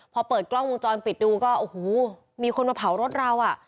พอเปิดกล้องวงจรปิดดูก็โอ้โหมีคนมาเผารถเราอ่ะ